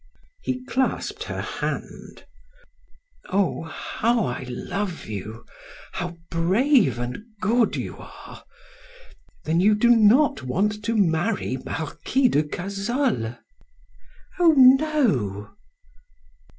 He clasped her hand. "Oh, how I love you! How brave and good you are! Then you do not want to marry Marquis de Cazolles?" "Oh, no!"